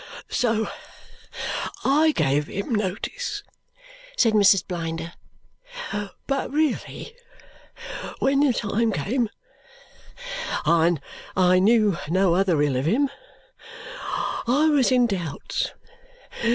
"So I gave him notice," said Mrs. Blinder. "But really when the time came, and I knew no other ill of him, I was in doubts.